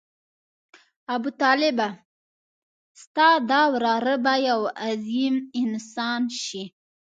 ابوطالبه ستا دا وراره به یو عظیم انسان شي.